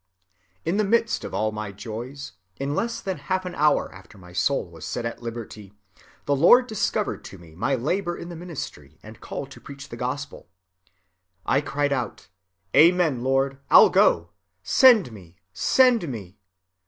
"In the midst of all my joys, in less than half an hour after my soul was set at liberty, the Lord discovered to me my labor in the ministry and call to preach the gospel. I cried out, Amen, Lord, I'll go; send me, send me.